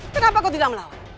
kenapa kau tidak melawan